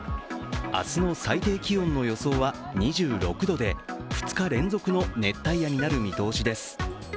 明日の最低気温の予想は２６度で、２日連続の熱帯夜になる見通しです。